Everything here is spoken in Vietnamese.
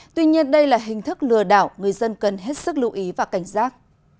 tuy nhiên đây là hình thức lừa đảo người dân cần hết sức lưu ý và cảnh giác